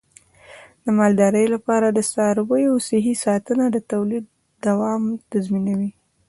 د مالدارۍ لپاره د څارویو صحي ساتنه د تولید دوام تضمینوي.